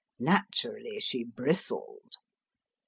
Naturally, she bristled.